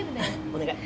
お願い。